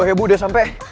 aduh ya ibu udah sampe